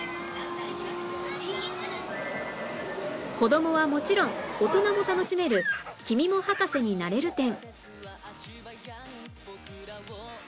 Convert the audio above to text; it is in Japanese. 子供はもちろん大人も楽しめる君も博士になれる展